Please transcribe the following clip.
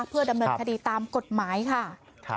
เพื่อดำเนินคดีตามกฎหมายค่ะ